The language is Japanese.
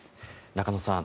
中野さん